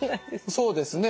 そうですね。